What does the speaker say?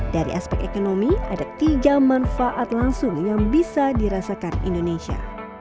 dari aspek ekonomi ada tiga manfaat langsung yang bisa dirasakan indonesia